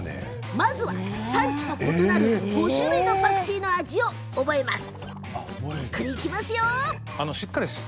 まずは、産地の異なる５種類のパクチーの味を覚えます。